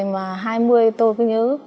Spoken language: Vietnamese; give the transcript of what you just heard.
ngày hai mươi tôi cứ nhớ